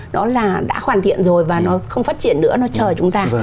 nó là đã hoàn thiện rồi và nó không phát triển nữa nó chờ chúng ta